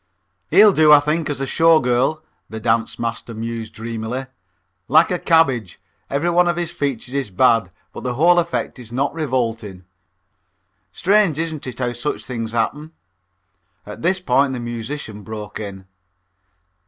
"He'll do, I think, as a Show Girl," the dance master mused dreamily. "Like a cabbage, every one of his features is bad, but the whole effect is not revolting. Strange, isn't it, how such things happen." At this point the musician broke in.